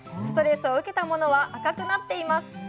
ストレスを受けたものは赤くなっています。